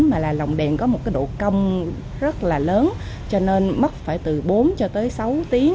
mà là lồng đèn có một cái độ công rất là lớn cho nên mất phải từ bốn cho tới sáu tiếng